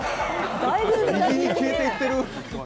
右に消えていってる。